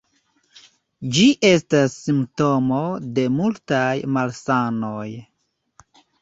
Ĝi estas simptomo de multaj malsanoj.